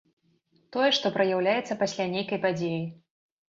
Тое, што праяўляецца пасля нейкай падзеі.